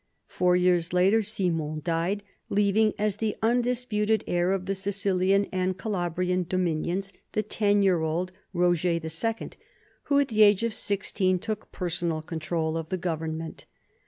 Four years later Simon died, leaving as the undisputed heir of the Sicilian and Calabrian domin ions the ten year old Roger II, who at the age of sixteen took personal control of the government.